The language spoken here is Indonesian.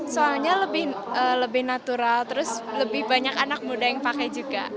soalnya lebih natural terus lebih banyak anak muda yang pakai juga